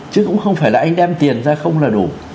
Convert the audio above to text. chứ cũng không phải là anh đem tiền ra không là đủ